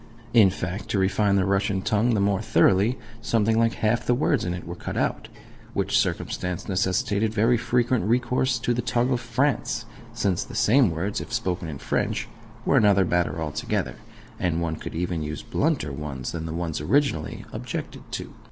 In fact, to refine the Russian tongue the more thoroughly, something like half the words in it were cut out: which circumstance necessitated very frequent recourse to the tongue of France, since the same words, if spoken in French, were another matter altogether, and one could use even blunter ones than the ones originally objected to.